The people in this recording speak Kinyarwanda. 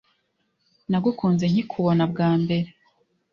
Nagukunze nkikubona bwa mbere